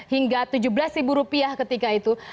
hingga tujuh belas rupiah ketika itu